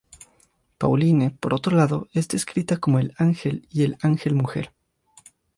Pauline, por otro lado, es descrita como "el ángel" y el "ángel-mujer".